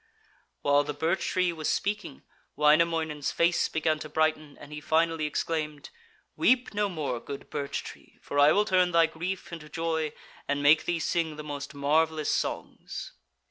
While the birch tree was speaking, Wainamoinen's face began to brighten, and he finally exclaimed: 'Weep no more, good birch tree, for I will turn thy grief into joy and make thee sing the most marvellous songs.'